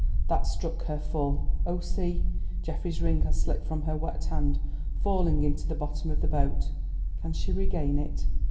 that struck her full. Oh, see! Geoffrey's ring has slipped from her wet hand, falling into the bottom of the boat. Can she regain it?